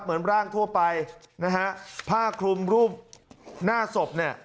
เหมือนร่างทั่วไปนะฮะผ้าคลุมรูปหน้าศพเนี่ย